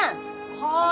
・はい！